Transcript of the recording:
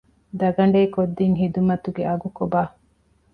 ދަގަނޑޭ ކޮށްދިން ހިދުމަތުގެ އަގު ކޮބާ؟